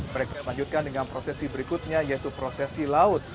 mereka lanjutkan dengan prosesi berikutnya yaitu prosesi laut